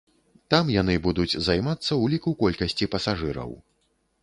Там яны будуць займацца ўліку колькасці пасажыраў.